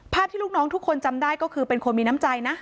ที่ลูกน้องทุกคนจำได้ก็คือเป็นคนมีน้ำใจนะ